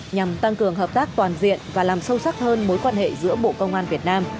nhằm tăng cường hợp tác toàn diện và làm sâu sắc hơn mối quan hệ giữa bộ công an việt nam